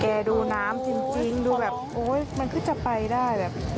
ดูน้ำจริงดูแบบโอ๊ยมันก็จะไปได้แบบ